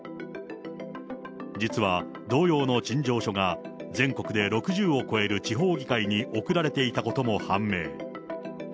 実は同様の陳情書が全国で６０を超える地方議会に送られていたことも判明。